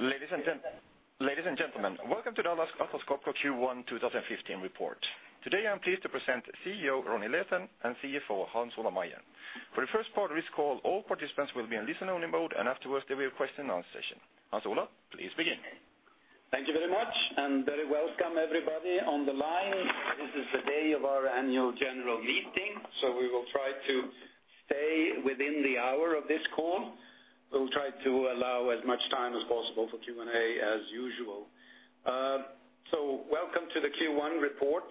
Ladies and gentlemen, welcome to the Atlas Copco Q1 2015 report. Today, I am pleased to present CEO, Ronnie Leten, and CFO, Hans-Ola Meyer. For the first part of this call, all participants will be in listen-only mode, and afterwards, there will be a question and answer session. Hans-Ola, please begin. Thank you very much, and very welcome everybody on the line. This is the day of our annual general meeting, so we will try to stay within the hour of this call. We will try to allow as much time as possible for Q&A, as usual. Welcome to the Q1 report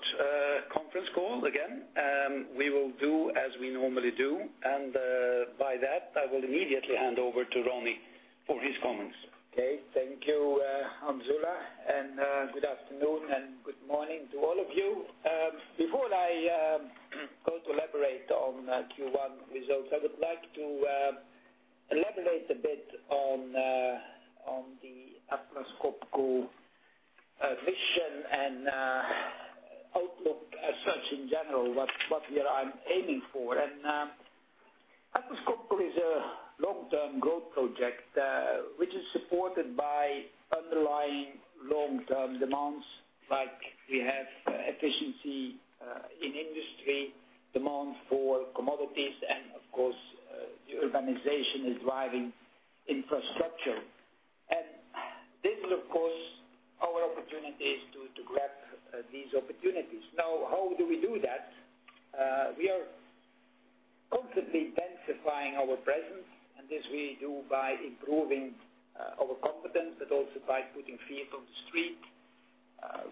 conference call again. We will do as we normally do, and by that, I will immediately hand over to Ronnie for his comments. Okay. Thank you, Hans-Ola, and good afternoon and good morning to all of you. Before I go to elaborate on Q1 results, I would like to elaborate a bit on the Atlas Copco vision and outlook as such in general, what I am aiming for. Atlas Copco is a long-term growth project, which is supported by underlying long-term demands, like we have efficiency in industry, demand for commodities, and of course, the organization is driving infrastructure. This is, of course, our opportunities to grab these opportunities. How do we do that? We are constantly densifying our presence, and this we do by improving our competence, but also by putting feet on the street.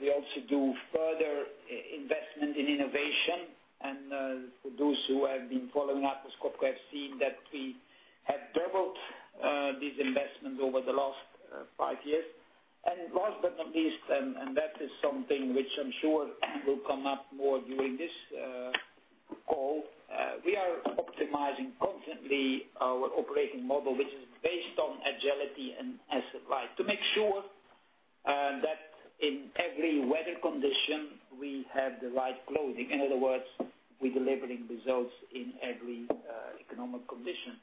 We also do further investment in innovation, and for those who have been following Atlas Copco have seen that we have doubled this investment over the last five years. Last but not least, and that is something which I'm sure will come up more during this call, we are optimizing constantly our operating model, which is based on agility and asset light, to make sure that in every weather condition, we have the right clothing. In other words, we are delivering results in every economic condition.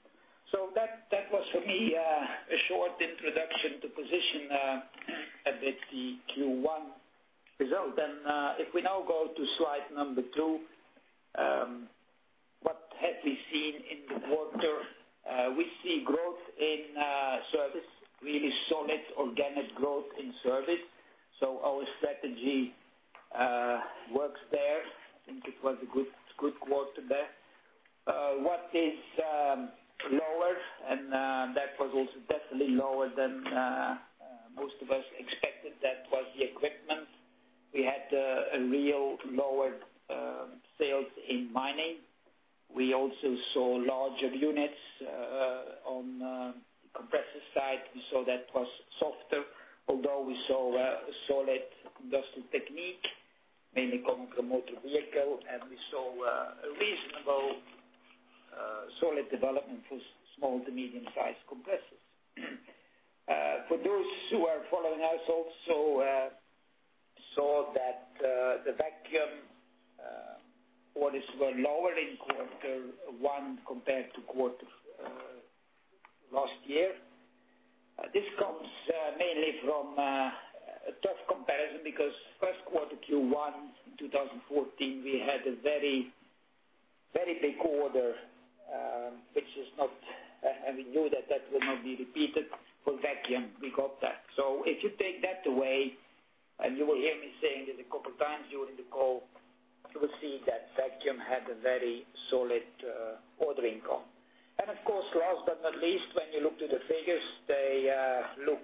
That was for me, a short introduction to position a bit the Q1 result. If we go to slide number two, what have we seen in the quarter? We see growth in service, really solid organic growth in service. Our strategy works there. I think it was a good quarter there. What is lower, and that was also definitely lower than most of us expected. That was the equipment. We had a real lower sales in mining. We also saw larger units on compressor side. We saw that was softer, although we saw a solid Industrial Technique, mainly coming from motor vehicle, and we saw a reasonable solid development for small to medium-sized compressors. For those who are following us also, saw that the vacuum orders were lower in Q1 compared to last year. This comes mainly from a tough comparison because first quarter Q1 in 2014, we had a very big order, and we knew that will not be repeated for vacuum. We got that. If you take that away, and you will hear me saying this a couple times during the call, you will see that vacuum had a very solid ordering call. Of course, last but not least, when you look to the figures, they look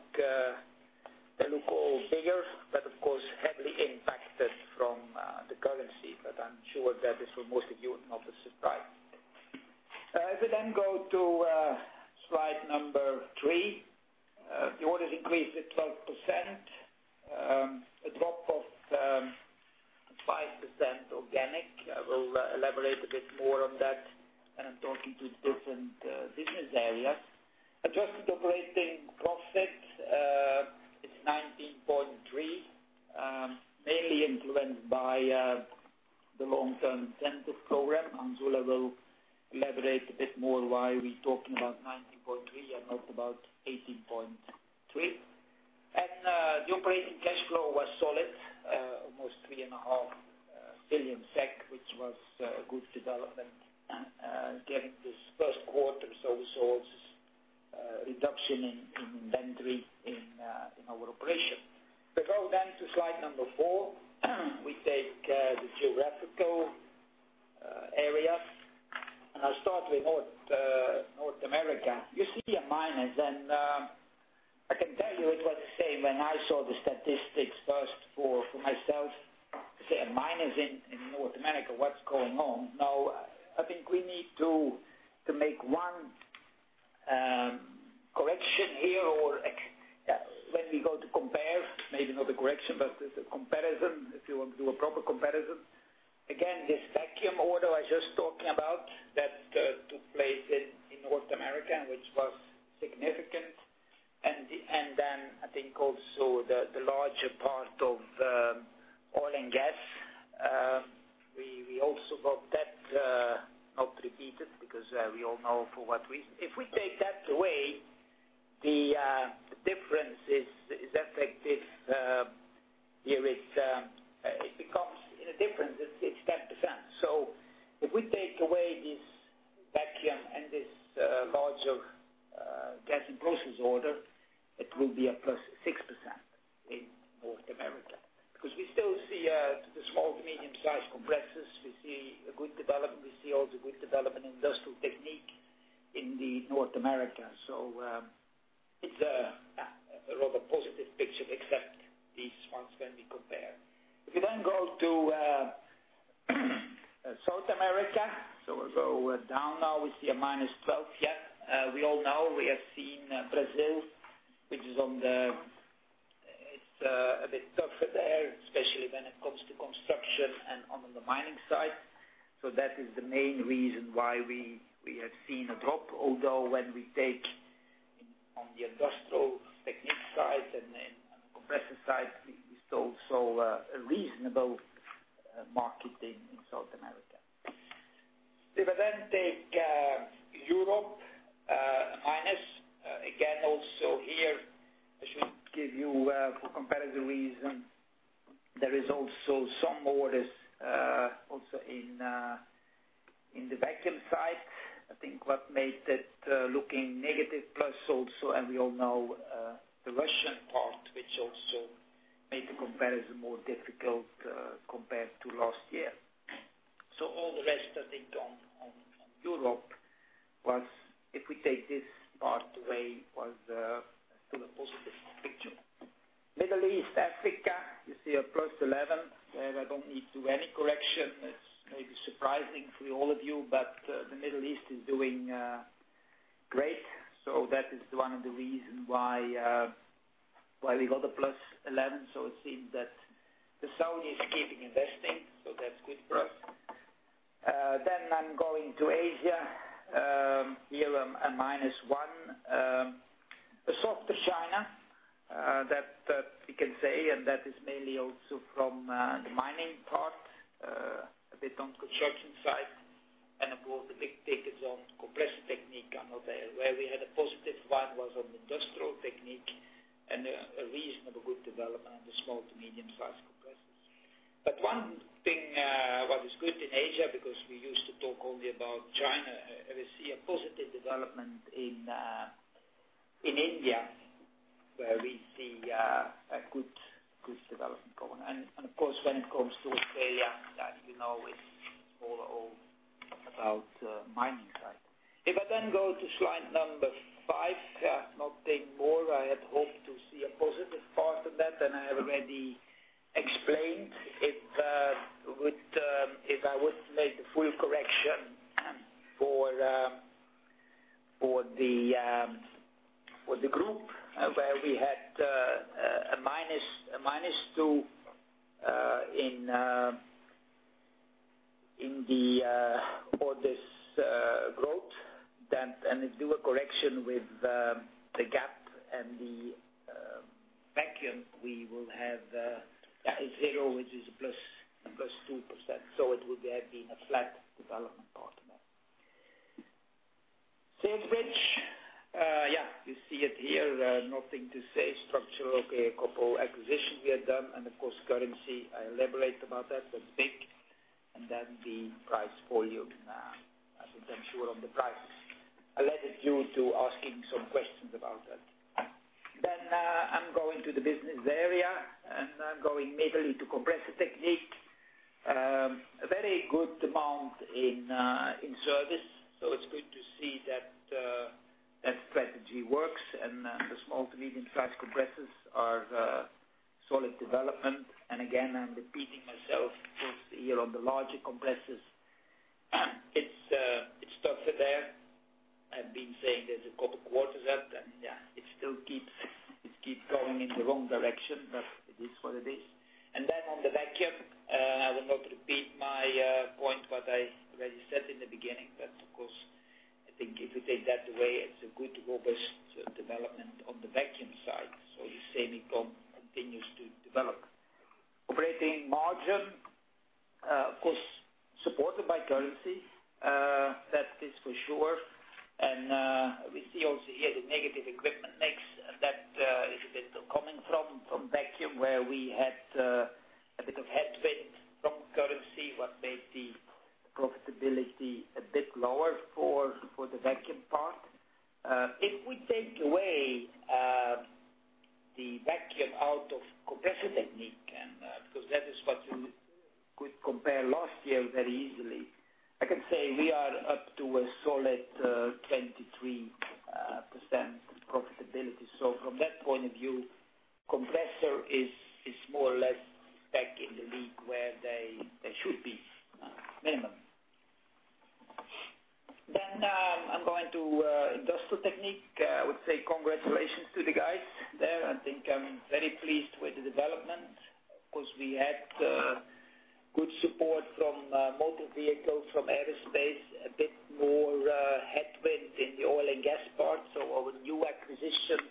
all bigger, but of course, heavily impacted from the currency. I'm sure that is for most of you, not a surprise. If we then go to slide number three, the orders increased at 12%, a drop of 5% organic. I will elaborate a bit more on that when I'm talking to different business areas. Adjusted operating profit is 19.3%, mainly influenced by the long-term incentive program. Hans-Ola will elaborate a bit more why we're talking about 19.3% and not about 18.3%. The operating cash flow was solid, almost 3.5 billion SEK, which was a good development given this first quarter. We saw this reduction in inventory in our operation. If we go then to slide number four, we take the geographical areas, and I'll start with North America. You see a minus, and I can tell you it was the same when I saw the statistics first for myself. I say, "A minus in North America, what's going on?" I think we need to make one correction here, or when we go to compare, maybe not a correction, but as a comparison, if you want to do a proper comparison. Again, this vacuum order I was just talking about, that took place in North America, which was significant. I think also the larger part of oil and gas We also got that not repeated because we all know for what reason. If we take that away, the difference is effective here, it becomes, in a difference, it's 10%. If we take away this vacuum and this larger gas and process order, it will be a plus 6% in North America. We still see the small to medium size compressors, we see a good development. We see also good development in Industrial Technique in North America. It's a rather positive picture, except these ones when we compare. If you then go to South America, so we go down now, we see a minus 12% here. We all know we have seen Brazil, which is a bit tougher there, especially when it comes to construction and on the mining side. That is the main reason why we have seen a drop. Although when we take on the Industrial Technique side and compressor side, we still saw a reasonable market in South America. If I then take Europe, minus again also here, I should give you for comparative reason, there is also some orders also in the vacuum side. I think what made it looking negative, plus also, and we all know, the Russian part, which also made the comparison more difficult compared to last year. All the rest, I think, on Europe was, if we take this part away, was to the positive picture. Middle East, Africa, you see a +11%. There I don't need to any correction. It's maybe surprising for all of you, but the Middle East is doing great. That is one of the reason why we got a +11%. It seems that the Saudi is keeping investing, that's good for us. I'm going to Asia. Here, a -1%. A softer China, that we can say, and that is mainly also from the mining part, a bit on construction side. Of course, the big takers on Compressor Technique are not there. Where we had a +1% was on Industrial Technique and a reasonably good development on the small to medium size compressors. One thing what is good in Asia, because we used to talk only about China, we see a positive development in India, where we see a good development going on. Of course, when it comes to Australia, that you know it's all about mining side. I had hoped to see a positive part of that than I have already explained. If I would make the full correction for the group where we had a -2% in the orders growth, and do a correction with the gap and the vacuum, we will have a 0%, which is a +2%. It would have been a flat development part in that. Sales bridge. You see it here. Nothing to say. Structure, okay. A couple acquisitions we had done, currency. I elaborate about that's big. The price volume. I think I'm sure on the prices. I leave you to asking some questions about that. I'm going to the business area, I'm going immediately to Compressor Technique. A very good demand in service. It's good to see that strategy works, the small to medium size compressors are solid development. Again, I'm repeating myself, of course, here on the larger compressors, it's tougher there. I've been saying that a couple quarters up, it still keeps going in the wrong direction, but it is what it is. On the vacuum, I will not repeat my point what I already said in the beginning, I think if you take that away, it's a good, robust development on the vacuum side. You say it continues to develop. Operating margin, of course, supported by currency. That is for sure. We see also here the negative equipment mix that is a little coming from vacuum, where we had a bit of headwind from currency, what made the profitability a bit lower for the vacuum part. If we take away the vacuum out of Compressor Technique, because that is what you could compare last year very easily, I can say we are up to a solid 23% profitability. From that point of view, compressor is more or less back in the league where they should be minimum. I'm going to Industrial Technique. I would say congratulations to the guys there. I think I'm very pleased with the development. Of course, we had good support from motor vehicles, from aerospace, a bit more gas part, so our new acquisitions,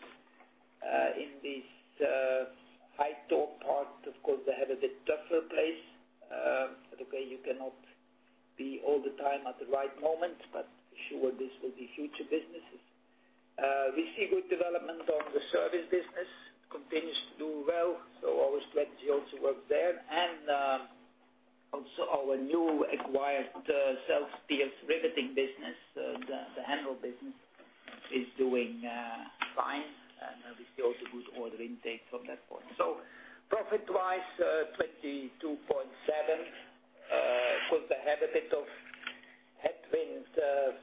in this high torque part, of course, they have a bit tougher place. You cannot be all the time at the right moment, but sure, this will be huge businesses. We see good development on the service business, continues to do well, so our strategy also works there. Also our new acquired self-piercing riveting business, the Henrob business, is doing fine. We see also good order intake from that point. Profit-wise, 22.7, of course, they have a bit of headwind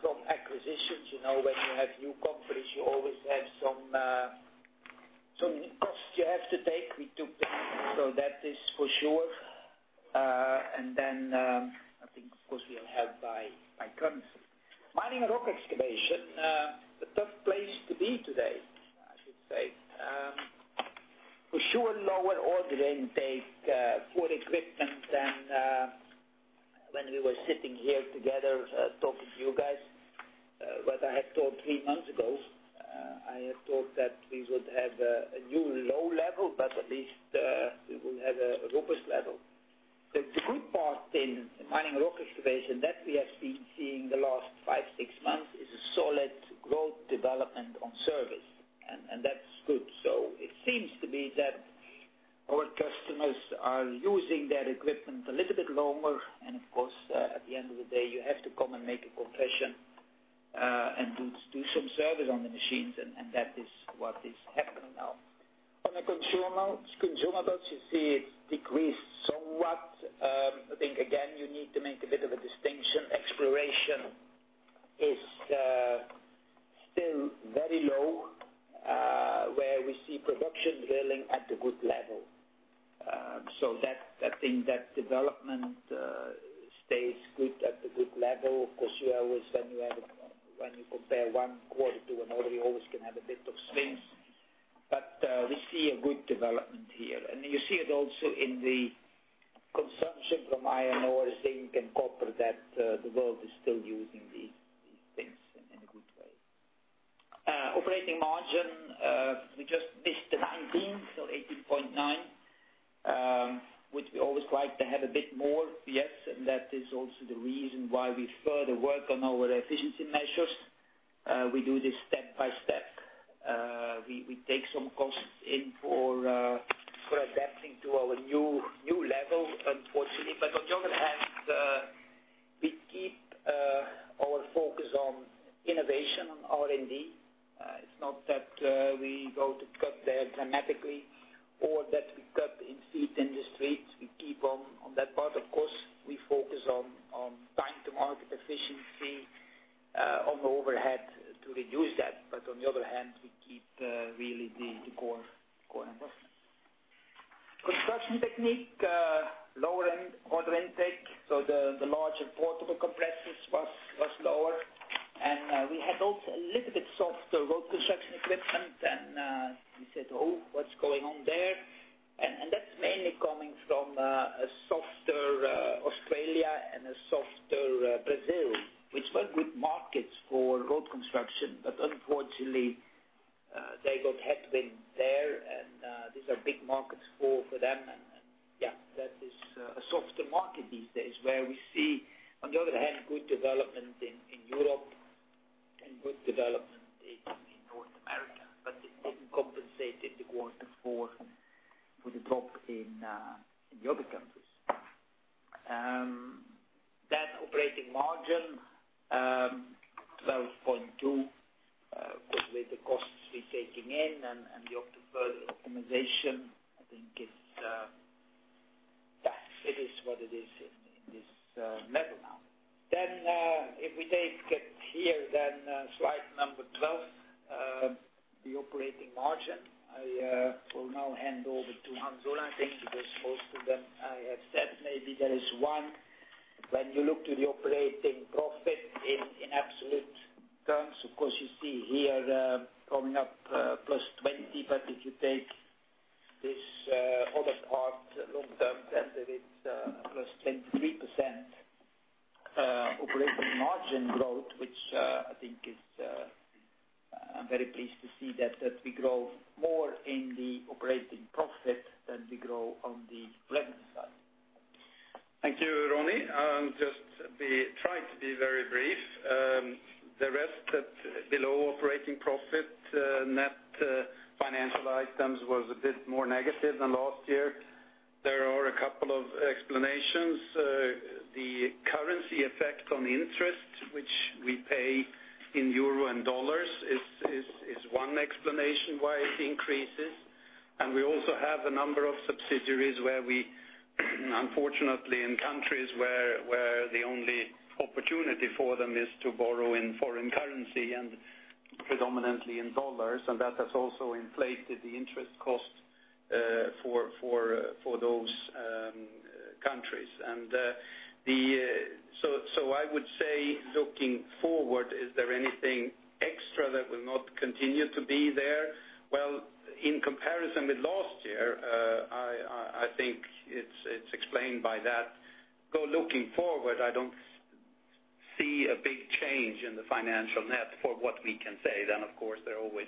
from acquisitions. When you have new companies, you always have some costs you have to take. We took them. That is for sure. I think of course we are helped by currency. Mining and Rock Excavation, a tough place to be today, I should say. For sure, lower order intake, poor equipment than, when we were sitting here together, talking to you guys. What I had thought three months ago, I had thought that we would have a new low level, but at least, we will have a robust level. The good part in Mining and Rock Excavation that we have seen in the last five, six months, is a solid growth development on service, and that's good. It seems to be that our customers are using their equipment a little bit longer, and of course, at the end of the day, you have to come and make a compression, and do some service on the machines, and that is what is happening now. On the consumables, you see it decreased somewhat. I think again, you need to make a bit of a distinction. Exploration is still very low, where we see production drilling at a good level. I think that development stays good at a good level. Of course, when you compare one quarter to another, you always can have a bit of swings. We see a good development here. You see it also in the consumption from iron ore, zinc, and copper, that the world is still using these things in a good way. Operating margin, we just missed the 19, so 18.9, which we always like to have a bit more, yes, that is also the reason why we further work on our efficiency measures. We do this step by step. We take some costs in for adapting to our new level, unfortunately. On the other hand, we keep our focus on innovation, on R&D. It's not that we go to cut there dramatically or that we cut in feet in the streets. We keep on that part. Of course, we focus on time to market efficiency, on the overhead to reduce that. On the other hand, we keep really the core investment. Construction Technique, lower order intake, the larger portable compressors was lower. We had also a little bit softer road construction equipment and we said, "Oh, what's going on there?" That's mainly coming from a softer Australia and a softer Brazil, which were good markets for road construction. Unfortunately, they got headwind there. These are big markets for them. That is a softer market these days, where we see, on the other hand, good development in Europe and good development in North America. It didn't compensate in the quarter for the drop in the other countries. Operating margin, 12.2%, with the costs we're taking in and the further optimization, I think it is what it is in this level now. If we take it here, slide 12, the operating margin. I will now hand over to Hans Ola. I think it was most of them I have said. Maybe there is one. When you look to the operating profit in absolute terms, of course you see here, going up, +20%. If you take this other part long-term, it's +23% operating margin growth, which I'm very pleased to see that we grow more in the operating profit than we grow on the revenue side. Thank you, Ronnie. I'll just try to be very brief. The rest, below operating profit, net financial items was a bit more negative than last year. There are a couple of explanations. The currency effect on interest, which we pay in EUR and USD is one explanation why it increases. We also have a number of subsidiaries where we unfortunately in countries where the only opportunity for them is to borrow in foreign currency and predominantly in USD, and that has also inflated the interest cost for those countries. I would say looking forward, is there anything extra that will not continue to be there? Well, in comparison with last year, I think it's explained by that. Looking forward, I don't see a big change in the financial net for what we can say. Of course, there are always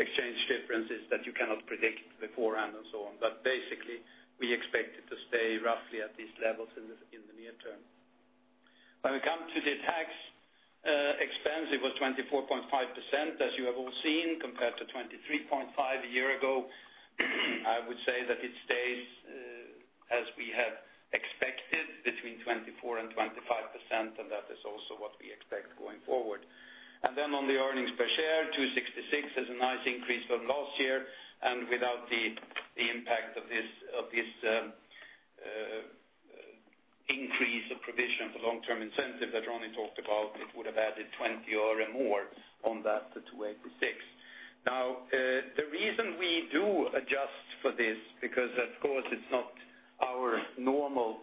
exchange differences that you cannot predict beforehand and so on. Basically, we expect it to stay roughly at these levels in the near term. When it comes to the tax expense, it was 24.5%, as you have all seen, compared to 23.5% a year ago. I would say that it stays as we had expected, between 24% and 25%, and that is also what we expect going forward. On the earnings per share, 266 is a nice increase from last year, and without the impact of this increase of provision for long-term incentive that Ronnie talked about, it would have added 20 or more on that to 286. The reason we do adjust for this, because of course it's not our normal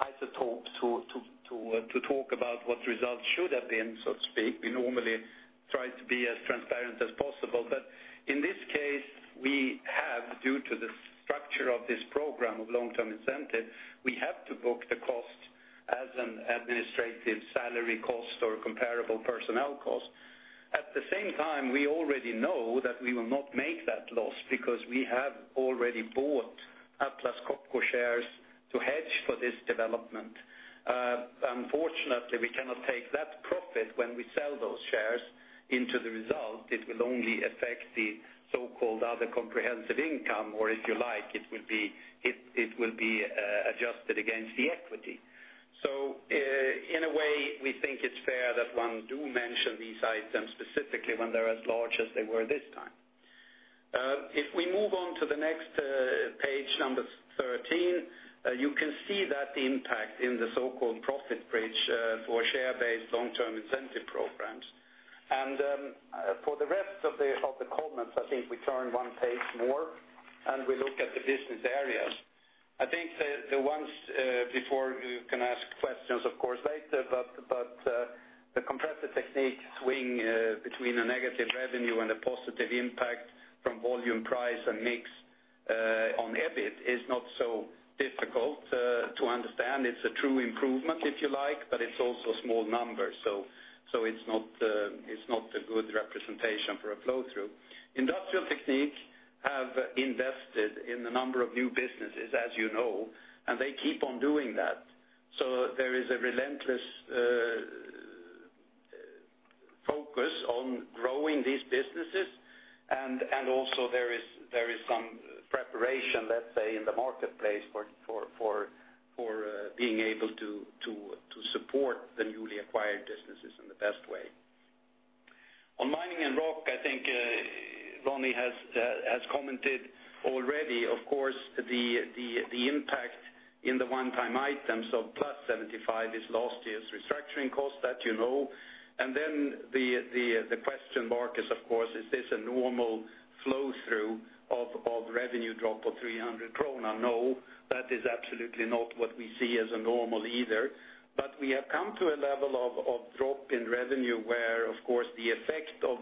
[isotope] to talk about what results should have been, so to speak. We normally try to be as transparent as possible. Due to the structure of this program of long-term incentive, we have to book the cost as an administrative salary cost or comparable personnel cost. At the same time, we already know that we will not make that loss because we have already bought Atlas Copco shares to hedge for this development. Unfortunately, we cannot take that profit when we sell those shares into the result. It will only affect the so-called other comprehensive income, or if you like, it will be adjusted against the equity. In a way, we think it is fair that one do mention these items specifically when they are as large as they were this time. If we move on to the next page, number 13, you can see that impact in the so-called profit bridge for share-based long-term incentive programs. For the rest of the comments, I think we turn one page more, and we look at the business areas. I think the ones before, you can ask questions, of course, later, the Compressor Technique swing between a negative revenue and a positive impact from volume price and mix on EBIT is not so difficult to understand. It is a true improvement, if you like, but it is also a small number. It is not a good representation for a flow-through. Industrial Technique have invested in a number of new businesses, as you know, and they keep on doing that. There is a relentless focus on growing these businesses, and also there is some preparation, let us say, in the marketplace for being able to support the newly acquired businesses in the best way. On Mining and Rock, I think Ronnie has commented already, of course, the impact in the one-time items of +75 is last year's restructuring cost, that you know. Then the question mark is, of course, is this a normal flow-through of revenue drop of 300? No, that is absolutely not what we see as a normal either. We have come to a level of drop in revenue where, of course, the effect of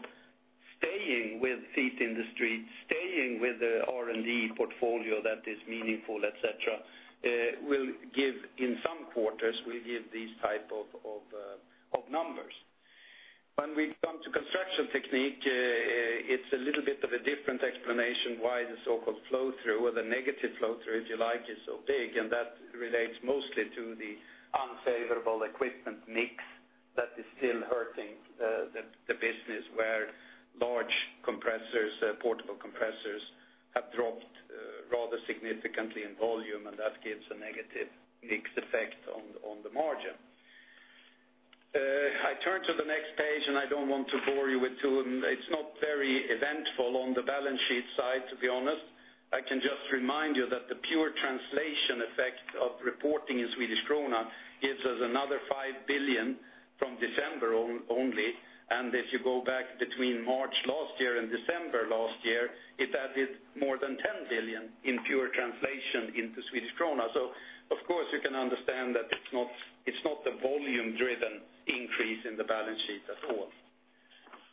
staying with feet in the street, staying with the R&D portfolio that is meaningful, et cetera, will give, in some quarters, these type of numbers. When we come to Construction Technique, it is a little bit of a different explanation why the so-called flow-through, or the negative flow-through, if you like, is so big, and that relates mostly to the unfavorable equipment mix that is still hurting the business where large portable compressors have dropped rather significantly in volume, and that gives a negative mixed effect on the margin. I turn to the next page. It is not very eventful on the balance sheet side, to be honest. I can just remind you that the pure translation effect of reporting in Swedish krona gives us another 5 billion from December only. If you go back between March last year and December last year, it added more than 10 billion in pure translation into Swedish krona. Of course, you can understand that it's not a volume-driven increase in the balance sheet at all.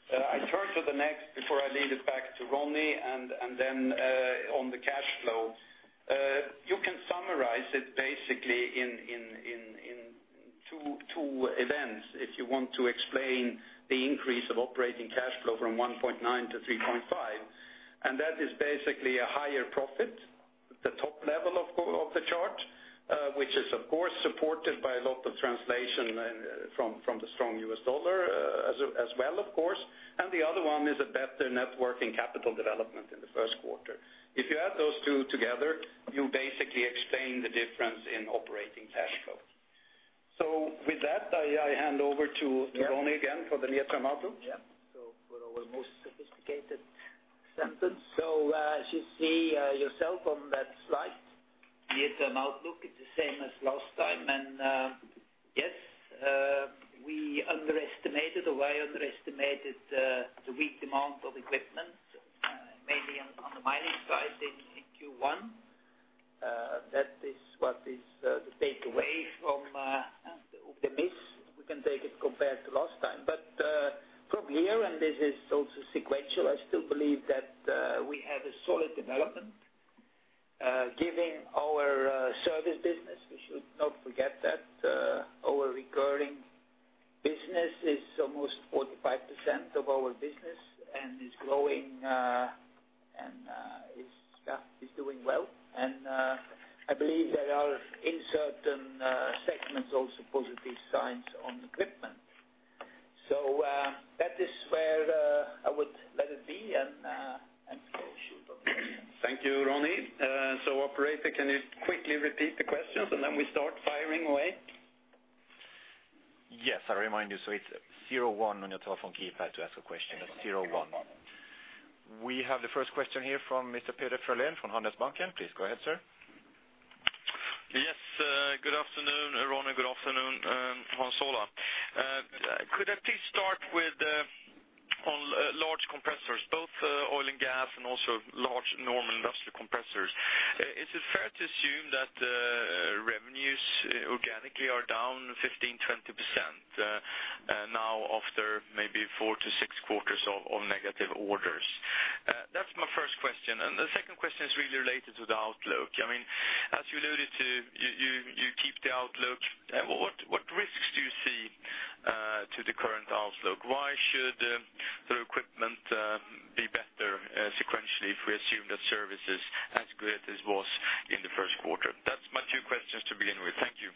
I turn to the next before I leave it back to Ronnie, on the cash flow. You can summarize it basically in two events if you want to explain the increase of operating cash flow from 1.9 to 3.5, that is basically a higher profit, the top level of the chart, which is, of course, supported by a lot of translation from the strong U.S. dollar as well, of course. The other one is a better net working capital development in the first quarter. If you add those two together, you basically explain the difference in operating cash flow. With that, I hand over to Ronnie again for the near-term outlook. For our most sophisticated sentence. As you see yourself on that slide, near-term outlook, it's the same as last time. Yes, we underestimated, or I underestimated the weak demand of equipment, mainly on the Mining side in Q1. That is what is the takeaway from the miss. We can take it compared to last year. Here, this is also sequential, I still believe that we have a solid development. Given our service business, we should not forget that our recurring business is almost 45% of our business, is growing and is doing well. I believe there are, in certain segments, also positive signs on equipment. That is where I would let it be. Thank you, Ronnie. Operator, can you quickly repeat the questions, we start firing away? Yes, I remind you, it's zero one on your telephone keypad to ask a question. That's zero one. We have the first question here from Mr. Peder Frölén from Handelsbanken. Please go ahead, sir. Yes. Good afternoon, Ronnie. Good afternoon, Hans Ola. Could I please start with on large compressors, both oil and gas, and also large normal industrial compressors. Is it fair to assume that the revenues organically are down 15%-20% now after maybe four to six quarters of negative orders? That's my first question. The second question is really related to the outlook. As you alluded to, you keep the outlook. What risks do you see to the current outlook? Why should the equipment be better sequentially if we assume that service is as great as was in the first quarter? That's my two questions to begin with. Thank you.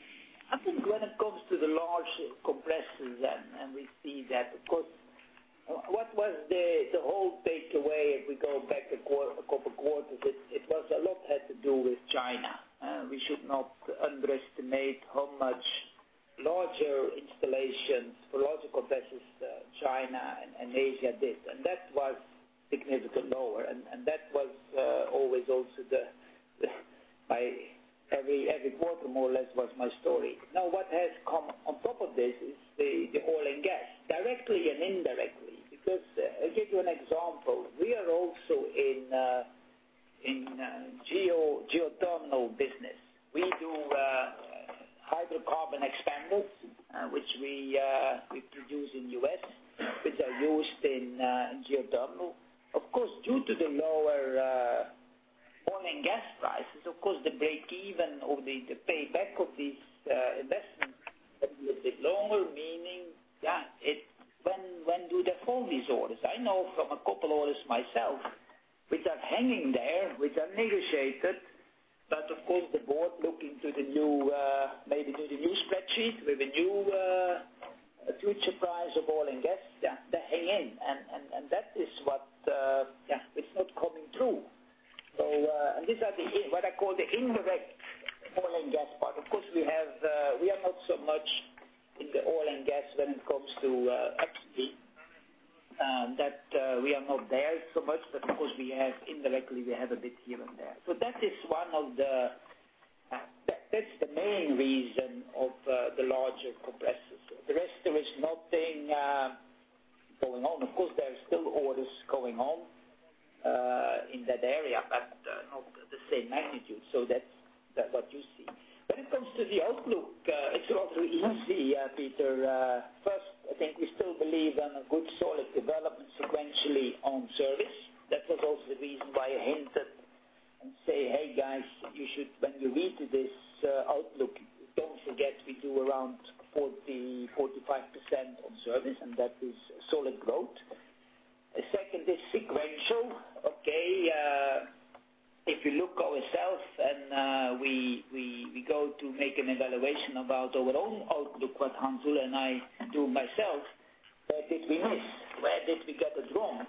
I think when it comes to the large compressors then. We see that, of course, what was the whole takeaway if we go back a couple quarters, it was a lot had to do with China. We should not underestimate how much larger installations for large compressors China and Asia did. That was significantly lower, and that was always also every quarter more or less was my story. What has come on top of this is the oil and gas, directly and indirectly. I'll give you an example. We are also in geothermal business. We do hydrocarbon expanders, which we produce in the U.S. which are used in geothermal. Of course, due to the lower oil and gas prices, of course, the break-even or the payback of these investments will be a bit longer, meaning when do they hold these orders? I know from a couple orders myself, which are hanging there, which are negotiated. Of course, the board looking to the new spreadsheet with a new future price of oil and gas. They hang in, and that is what is not coming through. These are what I call the indirect oil and gas part. Of course, we are not so much in the oil and gas when it comes to E&P. That we are not there so much, but of course, indirectly, we have a bit here and there. That's the main reason of the larger compressors. The rest, there is nothing going on. Of course, there are still orders going on in that area, but not the same magnitude. That's what you see. When it comes to the outlook, it's rather easy, Peder. First, I think we still believe in a good solid development sequentially on service. That was also the reason why I hinted and say, "Hey, guys, when you read this outlook, don't forget we do around 45% on service, and that is solid growth." Second is sequential. If we look ourselves and we go to make an evaluation about our own outlook, what Hans Ola and I do myself, where did we miss? Where did we get it wrong?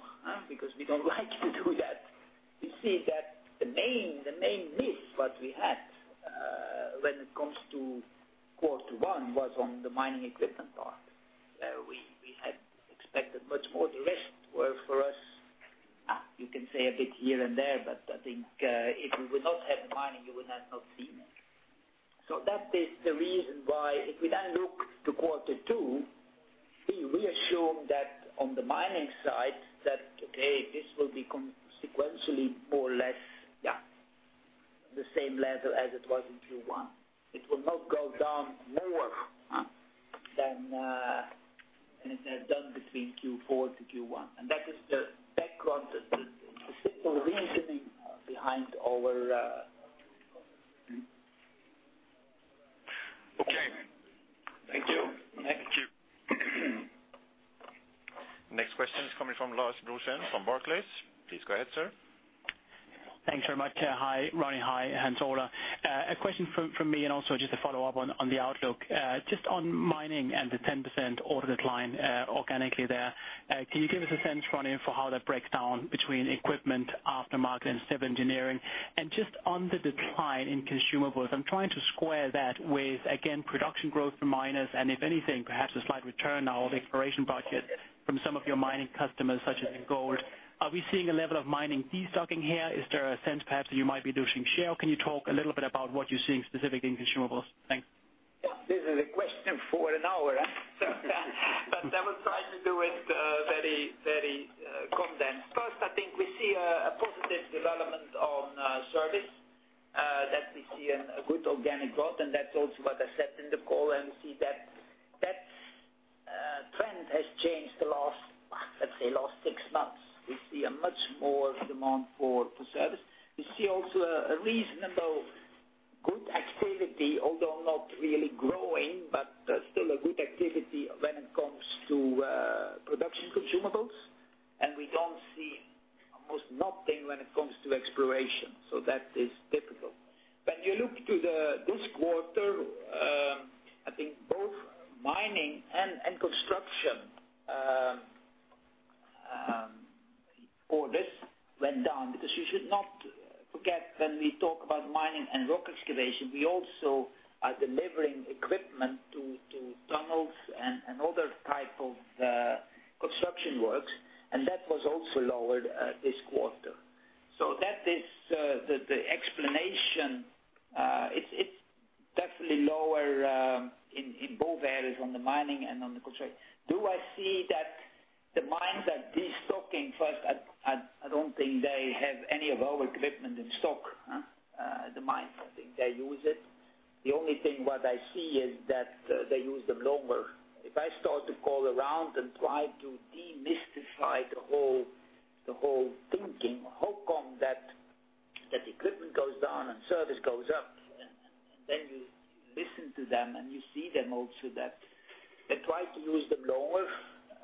We don't like to do that. We see that the main miss what we had when it comes to quarter one was on the mining equipment part. We had expected much more. The rest were for us, you can say a bit here and there, but I think if we would not have mining, you would have not seen it. That is the reason why if we then look to Q2, we assume that on the mining side that, okay, this will be consequentially more or less the same level as it was in Q1. It will not go down more than it has done between Q4 to Q1. That is the background, the simple reasoning behind our Okay. Thank you. Thank you. Next question is coming from Lars Brorson from Barclays. Please go ahead, sir. Thanks very much. Hi, Ronnie. Hi, Hans-Ola. A question from me, and also just a follow-up on the outlook. Just on mining and the 10% order decline organically there. Can you give us a sense, Ronnie, for how that breaks down between equipment, aftermarket, and service engineering? And just on the decline in consumables, I'm trying to square that with, again, production growth for miners, and if anything, perhaps a slight return now of exploration budget from some of your mining customers, such as in gold. Are we seeing a level of mining de-stocking here? Is there a sense perhaps that you might be losing share? Can you talk a little bit about what you're seeing specifically in consumables? Thanks. This is a question for an hour. I will try to do it very Development on service, that we see a good organic growth, and that's also what I said in the call, and we see that trend has changed, let's say, last six months. We see a much more demand for service. We see also a reasonable good activity, although not really growing, but still a good activity when it comes to production consumables, and we don't see almost nothing when it comes to exploration. That is difficult. When you look to this quarter, I think both mining and construction orders went down, because you should not forget when we talk about mining and rock excavation, we also are delivering equipment to tunnels and other type of construction works, and that was also lowered this quarter. The explanation, it's definitely lower in both areas, on the mining and on the construction. Do I see that the mines are de-stocking? First, I don't think they have any of our equipment in stock, the mines. I think they use it. The only thing what I see is that they use them longer. If I start to call around and try to demystify the whole thinking, how come that equipment goes down and service goes up? Then you listen to them, and you see them also that they try to use them longer,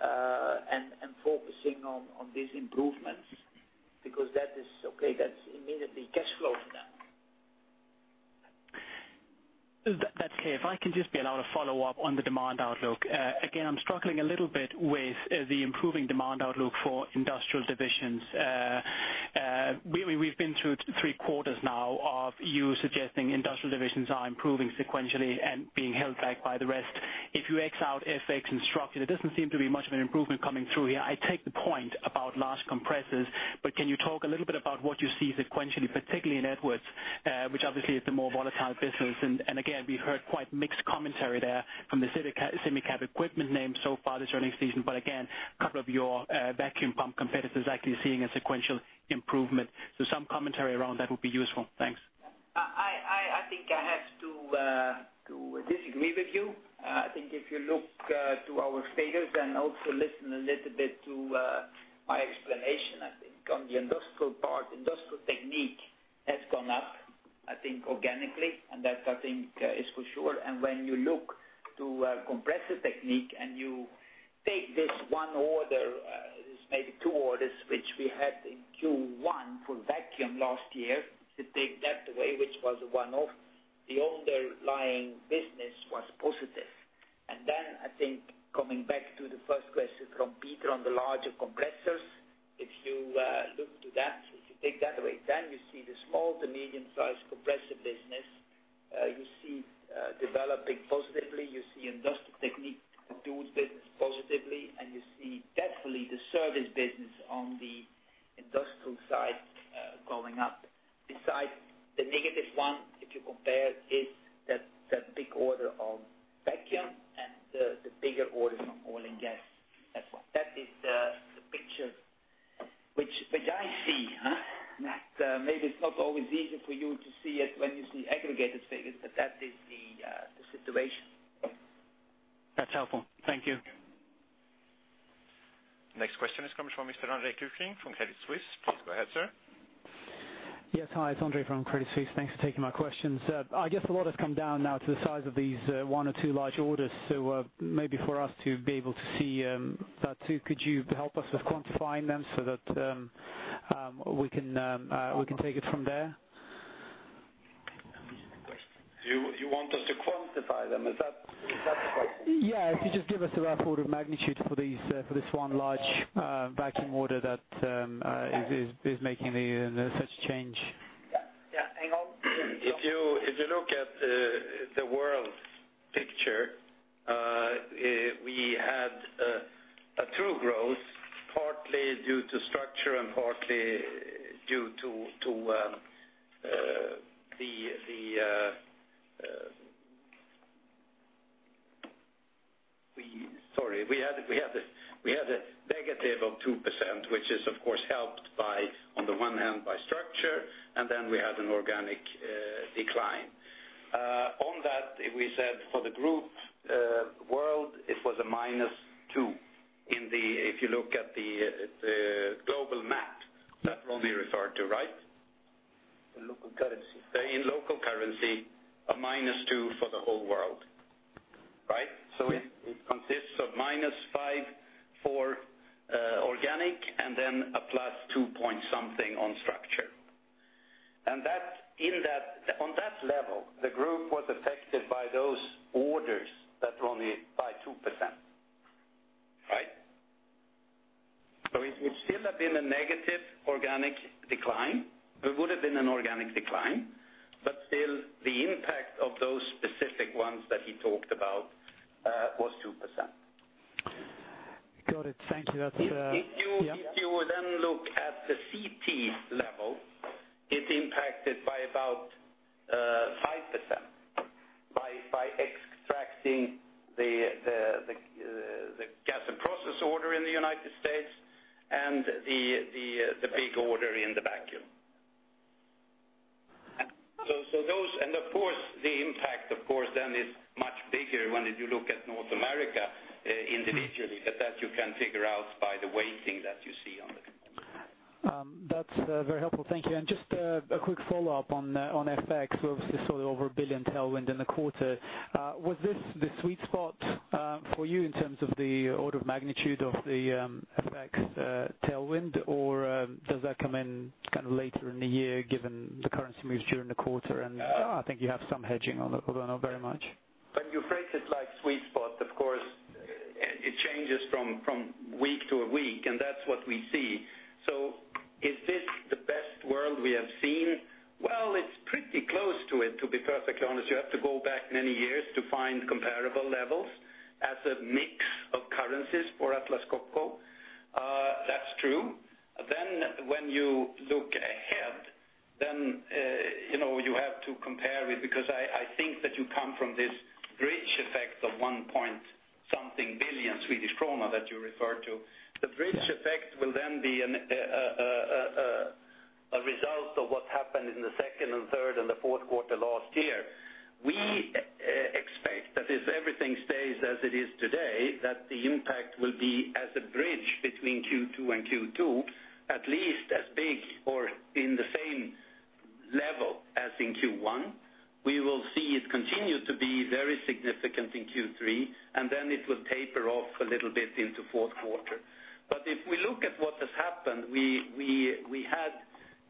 and focusing on these improvements, because that's immediately cash flow for them. That's clear. If I can just be allowed a follow-up on the demand outlook. Again, I'm struggling a little bit with the improving demand outlook for industrial divisions. We've been through three quarters now of you suggesting industrial divisions are improving sequentially and being held back by the rest. If you X out FX and structure, there doesn't seem to be much of an improvement coming through here. I take the point about large compressors, but can you talk a little bit about what you see sequentially, particularly in Edwards, which obviously is the more volatile business, and again, we heard quite mixed commentary there from the semicap equipment names so far this earning season, but again, a couple of your vacuum pump competitors actually seeing a sequential improvement. Some commentary around that would be useful. Thanks. I think I have to disagree with you. I think if you look to our figures and also listen a little bit to my explanation, I think, on the industrial part, Industrial Technique has gone up, I think organically, and that I think is for sure. When you look to Compressor Technique, and you take this one order, this maybe two orders, which we had in Q1 for vacuum last year, if you take that away, which was a one-off, the underlying business was positive. Then I think coming back to the first question from Peder on the larger compressors, if you look to that, if you take that away, then you see the small to medium sized compressor business, you see developing positively. You see Industrial Technique do its business positively, and you see definitely the service business on the industrial side going up. Beside the negative one, if you compare, is that big order of vacuum and the bigger orders from oil and gas. That is the picture which I see. Maybe it's not always easy for you to see it when you see aggregated figures, but that is the situation. That's helpful. Thank you. Next question is coming from Mr. Andre Kukhnin from Credit Suisse. Please go ahead, sir. Yes. Hi, it is Andre from Credit Suisse. Thanks for taking my questions. I guess a lot has come down now to the size of these one or two large orders. Maybe for us to be able to see that too, could you help us with quantifying them so that we can take it from there? You want us to quantify them? Is that the question? Yeah. If you just give us a rough order of magnitude for this one large vacuum order that is making such change. Yeah. Hang on. Sorry. We had a negative of 2%, which is, of course, helped on the one hand by structure, and then we had an organic decline. On that, we said for the group world, it was a -2. If you look at the global map that Ronnie referred to, right? In local currency. In local currency, a -2 for the whole world. Right? Yes. It consists of -5 for organic and then a plus 2 point something on structure. On that level, the group was affected by those orders that Ronnie, by 2%. Right? It would still have been a negative organic decline. It would've been an organic decline, but still, the impact of those specific ones that he talked about, was 2%. Got it. Thank you. If you look at the CT level, it's impacted by about 5%, by extracting order in the U.S. and the big order in the vacuum. Of course, the impact then is much bigger when you look at North America individually, but that you can figure out by the weighting that you see on there. That's very helpful. Thank you. Just a quick follow-up on FX. We obviously saw the over 1 billion tailwind in the quarter. Was this the sweet spot for you in terms of the order of magnitude of the FX tailwind, or does that come in later in the year given the currency moves during the quarter? I think you have some hedging, although not very much. When you phrase it like sweet spot, of course, it changes from week to week, and that's what we see. Is this the best world we have seen? Well, it's pretty close to it, to be perfectly honest. You have to go back many years to find comparable levels as a mix of currencies for Atlas Copco. That's true. When you look ahead, then you have to compare it, because I think that you come from this bridge effect of one point something billion Swedish krona that you referred to. The bridge effect will then be a result of what happened in the second and third, and the fourth quarter last year. We expect that if everything stays as it is today, that the impact will be as a bridge between Q2 and Q2, at least as big or in the same level as in Q1. We will see it continue to be very significant in Q3, then it will taper off a little bit into fourth quarter. If we look at what has happened, we had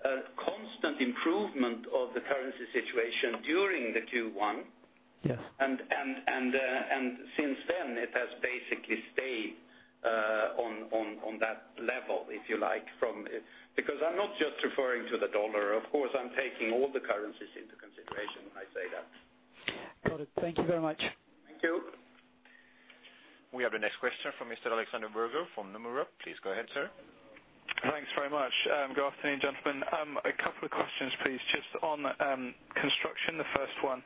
a constant improvement of the currency situation during the Q1. Yes. Since then, it has basically stayed on that level, if you like. Because I'm not just referring to the dollar, of course, I'm taking all the currencies into consideration when I say that. Got it. Thank you very much. Thank you. We have the next question from Mr. Alexander Berger from Nomura. Please go ahead, sir. Thanks very much. Good afternoon, gentlemen. A couple of questions, please. Just on construction, the first one.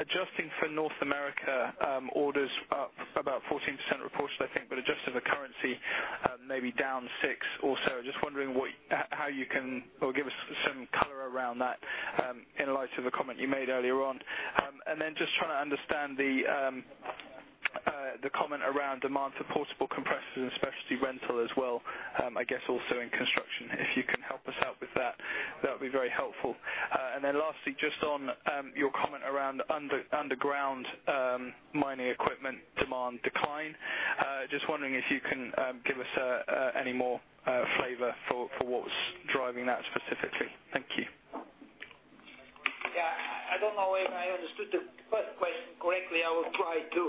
Adjusting for North America, orders up about 14% reported, I think, but adjusted to currency, maybe down six or so. Just wondering how you can give us some color around that in light of the comment you made earlier on. Just trying to understand the comment around demand for portable compressors and specialty rental as well, I guess also in construction. If you can help us out with that would be very helpful. Lastly, just on your comment around underground mining equipment demand decline, just wondering if you can give us any more flavor for what's driving that specifically. Thank you. I don't know if I understood the first question correctly. I will try to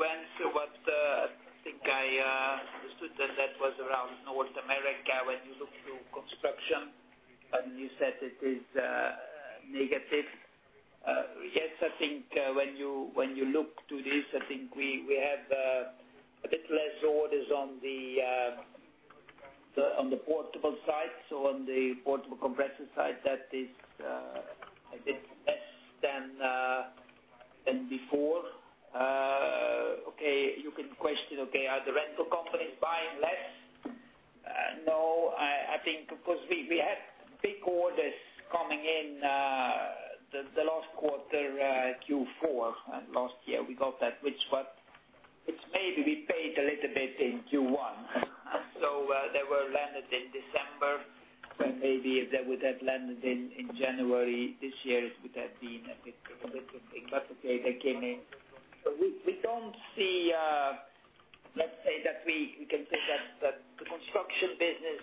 answer, but I think I understood that was around North America. When you look to construction, you said it is negative. Yes, I think when you look to this, I think we have a bit less orders on the portable side. On the portable compressor side, that is, I think, less than before. You can question, are the rental companies buying less? I think because we had big orders coming in the last quarter, Q4, and last year we got that, which maybe we paid a little bit in Q1. They were landed in December, maybe if they would have landed in January this year, it would have been a bit different. They came in. We don't see, let's say that we can say that the construction business,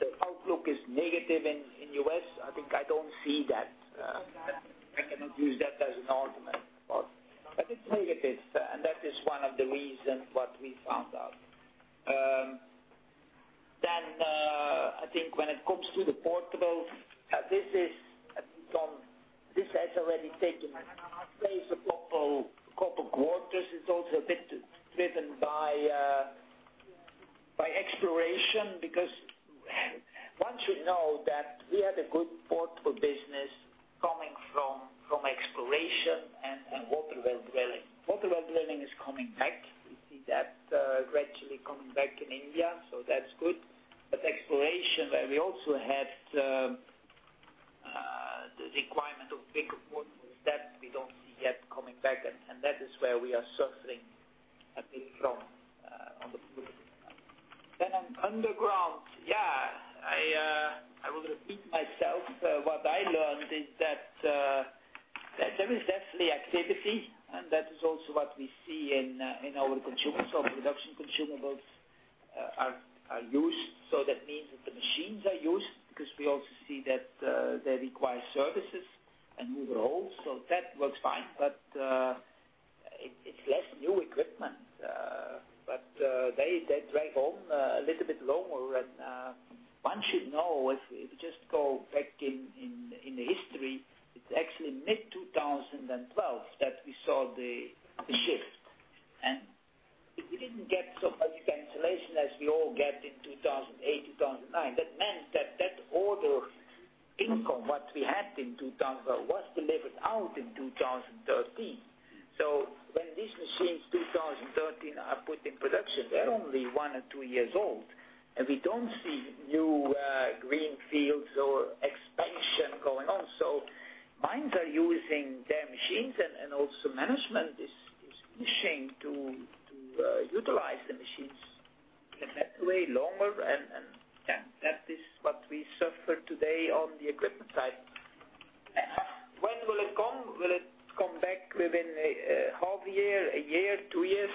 the outlook is negative in U.S. I think I don't see that. I cannot use that as an argument, it's negative, and that is one of the reasons what we found out. I think when it comes to the portables, this has already taken place a couple quarters. It's also a bit driven by exploration, once you know that we had a good portable business coming from exploration and water well drilling. Water well drilling is coming back. We see that gradually coming back in India, that's good. Exploration, where we also had the requirement of bigger portables, that we don't see yet coming back, that is where we are suffering a bit from on the portable. On underground, I will repeat myself. What I learned is that there is definitely activity, and that is also what we see in our consumables. Production consumables are used, that means that the machines are used, because we also see that they require services and new rolls, that works fine. It's less new equipment. They drag on a little bit longer, and one should know, if you just go back in history, it's actually mid-2012 that we saw the shift, and we didn't get so much relation as we all get in 2008, 2009. That meant that that order income, what we had in 2000 was delivered out in 2013. When these machines, 2013, are put in production, they're only one or two years old, and we don't see new green fields or expansion going on. Mines are using their machines, and also management is wishing to utilize the machines in that way longer. That is what we suffer today on the equipment side. When will it come? Will it come back within a half year, a year, two years?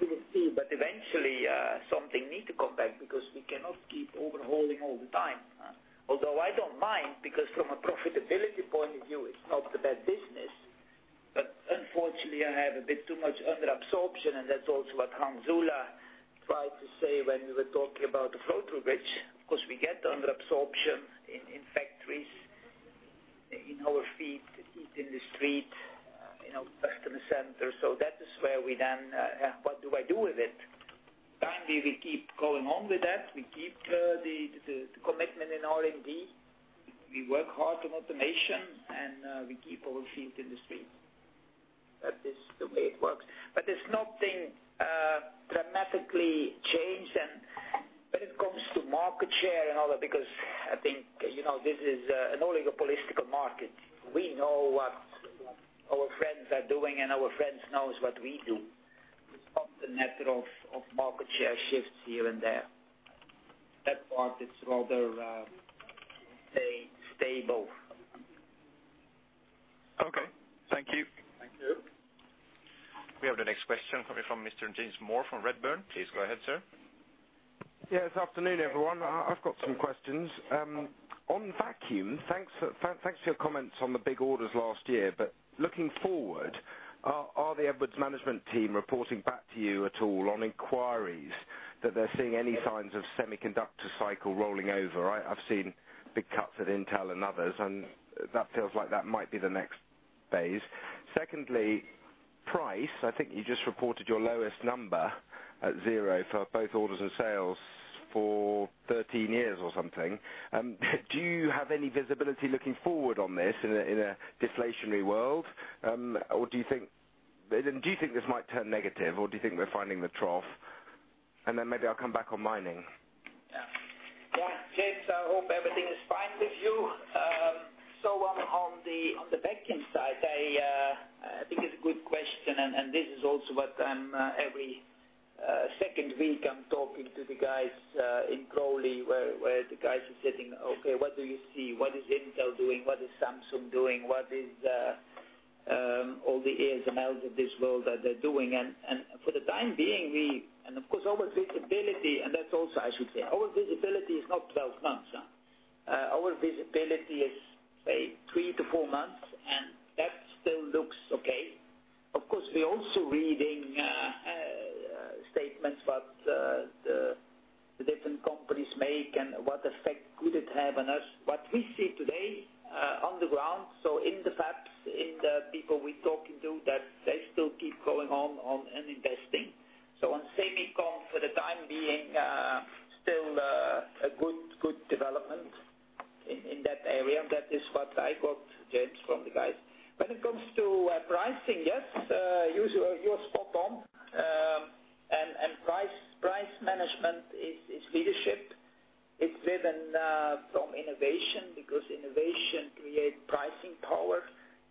We will see. Eventually, something need to come back because we cannot keep overhauling all the time. Although I don't mind, because from a profitability point of view, it's not a bad business. Unfortunately, I have a bit too much under absorption, and that's also what Hans-Ola tried to say when we were talking about the profit bridge. Of course, we get under absorption in factories, in our feet hitting the street, in our customer center. That is where we then, what do I do with it? Time being, we keep going on with that. We keep the commitment in R&D. We work hard on automation, and we keep our feet in the street. That is the way it works. There's nothing dramatically changed. When it comes to market share and all that, because I think, this is an oligopolistical market. We know what our friends are doing, and our friends knows what we do. It's not the natural of market share shifts here and there. That part is rather, stay stable. Okay. Thank you. Thank you. We have the next question coming from Mr. James Moore from Redburn. Please go ahead, sir. Yeah. Good afternoon, everyone. I've got some questions. On vacuum, thanks for your comments on the big orders last year. Looking forward, are the Edwards management team reporting back to you at all on inquiries that they're seeing any signs of semiconductor cycle rolling over? I've seen big cuts at Intel and others, and that feels like that might be the next phase. Secondly, price. I think you just reported your lowest number at zero for both orders and sales for 13 years or something. Do you have any visibility looking forward on this in a deflationary world? Do you think this might turn negative, or do you think we're finding the trough? Maybe I'll come back on mining. Yeah. James, I hope everything is fine with you. On the vacuum side, I think it's a good question, and this is also what every second week I'm talking to the guys in Crawley, where the guys are sitting, "Okay, what do you see? What is Intel doing? What is Samsung doing? What is all the ASMLs of this world are they doing?" For the time being, and of course our visibility, and that's also I should say, our visibility is not 12 months. Our visibility is, say, three to four months, and that still looks okay. Of course, we're also reading statements what the different companies make and what effect could it have on us. What we see today on the ground, so in the pubs, in the people we're talking to, that they still keep going on and investing. On semicon, for the time being, still a good development in that area. That is what I got, James, from the guys. When it comes to pricing, yes, you are spot on. Price management is leadership. It is driven from innovation, because innovation create pricing power.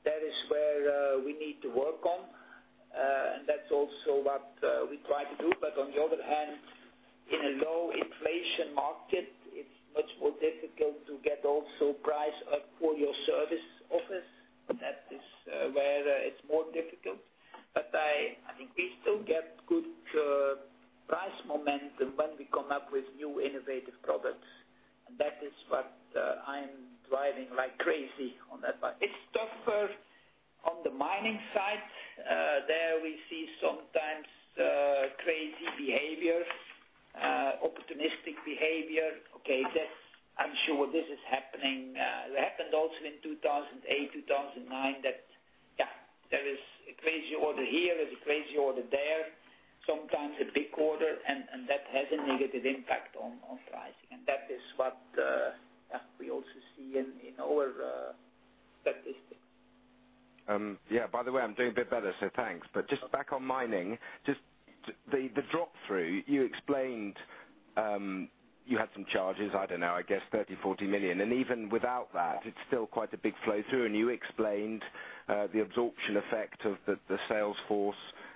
That is where we need to work on, that is also what we try to do. On the other hand, in a low inflation market, it is much more difficult to get also price up for your service offers. That is where it is more difficult. I think we still get good price momentum when we come up with new innovative products, that is what I am driving like crazy on that part. It is tougher on the mining side. There we see sometimes crazy behaviors, opportunistic behavior. Okay, I am sure this is happening. It happened also in 2008, 2009, that there is a crazy order here, there is a crazy order there. Sometimes a big order, that has a negative impact on pricing. That is what we also see in our statistics. By the way, I am doing a bit better, thanks. Just back on mining, just the flow-through, you explained, you had some charges, I do not know, I guess 30 million-40 million. Even without that, it is still quite a big flow-through. You explained the absorption effect of the sales force